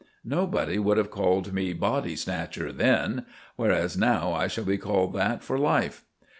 Nobody would have called me 'body snatcher' then; whereas now I shall be called that for life."